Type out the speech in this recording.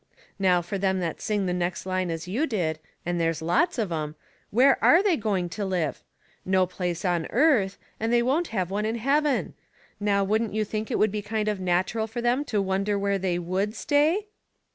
Now for them ttiat sing the next line as you did, and there's lots of 'em, where are they going to live? — no place on earthy and they won't have one in heaven. Now wouldn't you think it would be kind of natural for them to wonder where they would stay